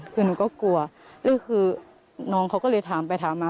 คือหนูก็กลัวแล้วคือน้องเขาก็เลยถามไปถามมา